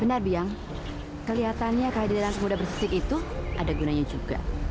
benar biang kelihatannya kehadiran anak muda bersisik itu ada gunanya juga